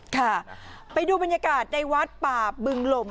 ค่ะไปดูบรรยากาศในวัดป่าบึงลม